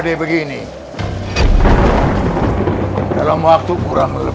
itu dia rabbitnya